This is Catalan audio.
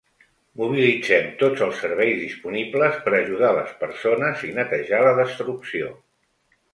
Mobilitzem tots els serveis disponibles per ajudar les persones i netejar la destrucció.